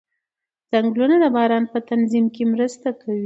ځنګلونه د باران په تنظیم کې مرسته کوي